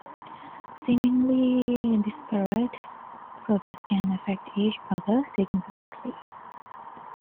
Seemingly disparate processes can affect each other significantly.